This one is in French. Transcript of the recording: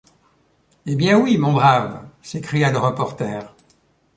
Eh bien, oui, mon brave, s’écria le reporter